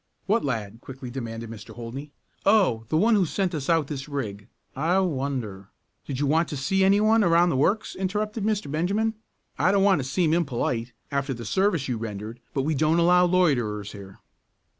"What lad?" quickly demanded Mr. Holdney. "Oh, the one who sent us out this rig. I wonder " "Did you want to see any one around the works?" interrupted Mr. Benjamin. "I don't want to seem impolite, after the service you rendered, but we don't allow loiterers here."